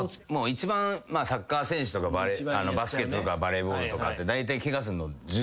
一番サッカー選手とかバスケットとかバレーボールとかってだいたい。